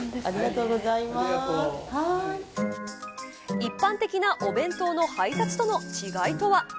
一般的なお弁当の配達との違いとは。